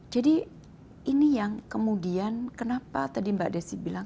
jadi ini yang kemudian kenapa tadi mbak desi bilang